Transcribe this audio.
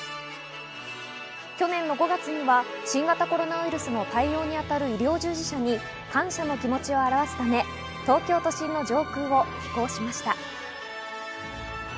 去年の５月には新型コロナウイルスの対応に当たる医療従事者に感謝の気持ちを表すため東京都心の上空を飛行しました。